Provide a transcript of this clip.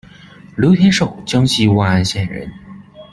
刘天授，江西万安县人。